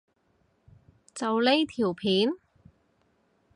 就係呢條片？